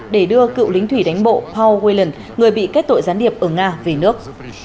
để đưa cựu lính thủy đánh bộ paul whelan người bị kết tội gián điệp ở nga về nước